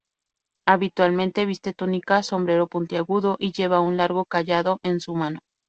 Habitualmente viste túnica, sombrero puntiagudo y lleva un largo cayado en su mano.